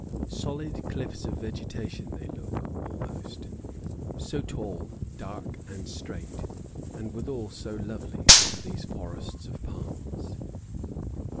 Solid cliffs of vegetation they look, almost, so tall, dark, and straight, and withal so lovely, are these forests of palms.